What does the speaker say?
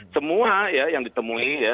semua ya yang ditemui ya